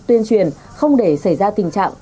tuyên truyền không để xảy ra tình trạng